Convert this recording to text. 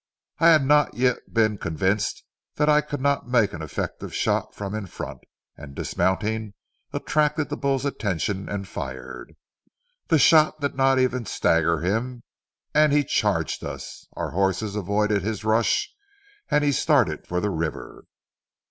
I had not yet been convinced that I could not make an effective shot from in front, and, dismounting, attracted the bull's attention and fired. The shot did not even stagger him and he charged us; our horses avoided his rush, and he started for the river.